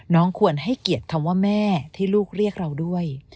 ควรให้เกียรติคำว่าแม่ที่ลูกเรียกเราด้วย